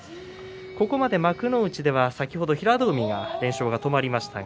ここまで幕内では先ほど平戸海の連勝が止まりました。